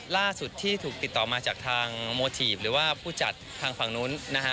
ล่าสุดที่ถูกติดต่อมาจากทางโมทีฟหรือว่าผู้จัดทางฝั่งนู้นนะฮะ